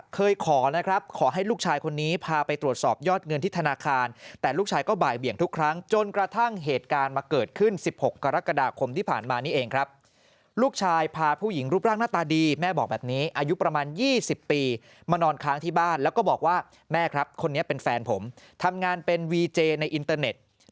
เคยขอนะครับขอให้ลูกชายคนนี้พาไปตรวจสอบยอดเงินที่ธนาคารแต่ลูกชายก็บ่ายเบี่ยงทุกครั้งจนกระทั่งเหตุการณ์มาเกิดขึ้น๑๖กรกฎาคมที่ผ่านมานี่เองครับลูกชายพาผู้หญิงรูปร่างหน้าตาดีแม่บอกแบบนี้อายุประมาณ๒๐ปีมานอนค้างที่บ้านแล้วก็บอกว่าแม่ครับคนนี้เป็นแฟนผมทำงานเป็นวีเจในอินเตอร์เน็ต